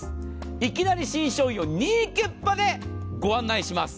いきなり新商品を２万９８００円でご案内します。